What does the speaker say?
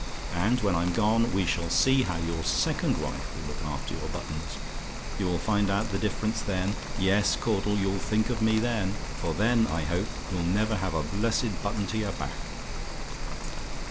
And when I'm gone, we shall see how your second wife will look after your buttons. You'll find out the difference, then. Yes, Caudle, you'll think of me, then; for then, I hope, you'll never have a blessed button to your back.